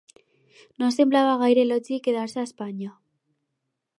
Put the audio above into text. No semblava gaire lògic quedar-se a Espanya